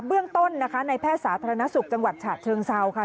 เบื้องต้นนะคะในแพทย์สาธารณสุขจังหวัดฉะเชิงเซาค่ะ